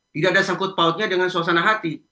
tidak ada sangkut pautnya dengan suasana hati